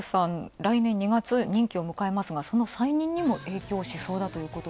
来年２月に任期を迎えますが、その再任にも影響しそうだということで。